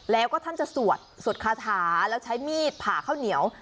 แล้วก็ท่านจะสวดสวดคาถาแล้วใช้มีดผ่าข้าวเหนียว